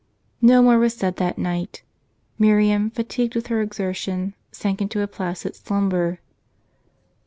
" No more was said that night. Miriam, fatigued wdth her exertion, sank into a placid slumber.